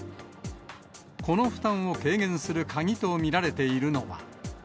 この負担を軽減する鍵と見られているのは。